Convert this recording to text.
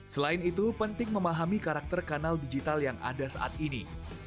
selain itu penting memahami karakter kanal digital yang ada saat ini